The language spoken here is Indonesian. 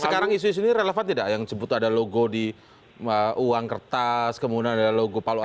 sekarang isu isu ini relevan tidak yang sebut ada logo di uang kertas kemudian ada logo palu